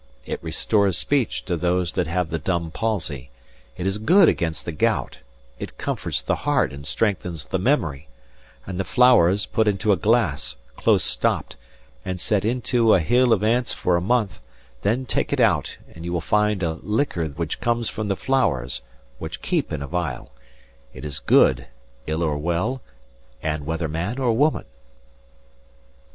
It restores speech to those that have the dumb palsey. It is good against the Gout; it comforts the heart and strengthens the memory; and the flowers, put into a Glasse, close stopt, and set into ane hill of ants for a month, then take it out, and you will find a liquor which comes from the flowers, which keep in a vial; it is good, ill or well, and whether man or woman."